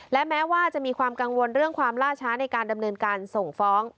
และแม้ว่าจะมีความกังวลเรื่องความล่าช้าในการดำเนินการส่งฟ้อง